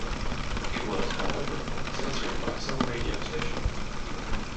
It was, however, censored by some radio stations.